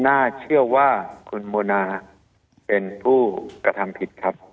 น่าเชื่อว่าคุณโมนาเป็นผู้กระทำผิดครับ